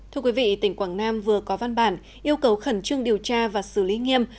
thưa quý vị tỉnh quảng nam vừa có văn bản yêu cầu khẩn trương điều tra và xử lý nghiêm